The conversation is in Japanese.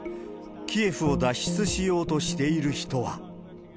キエフを脱出しようとしている人は。